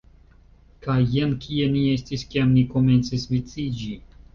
Kaj jen kie ni estis kiam ni komencis viciĝi